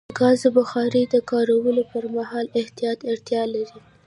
د ګازو بخاري د کارولو پر مهال د احتیاط اړتیا لري.